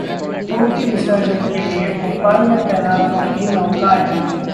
मूर्ति विसर्जन के लिए भोपाल में तैनात होंगी नौकाएं